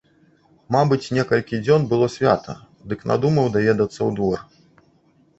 Мабыць, некалькі дзён было свята, дык надумаў даведацца ў двор.